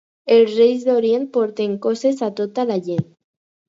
Els Reis d'Orient porten coses a tota la gent.